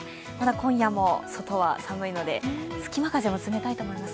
今夜も外は寒いので、隙間風も冷たいと思います。